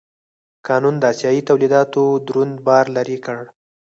قانون د اسیايي تولیداتو دروند بار لرې کړ.